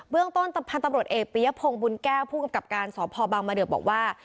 เรื่องต้นพันธุ์ตำรวจเอกปียพงศ์บุญแก้วผู้กำกับการสพบางมะเดือบอกว่า